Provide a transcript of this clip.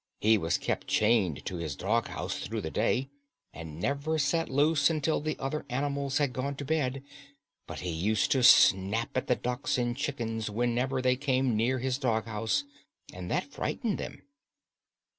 He was kept chained to his dog house through the day, and never set loose until the other animals had gone to bed, but he used to snap at the ducks and chickens whenever they came near his dog house, and that frightened them.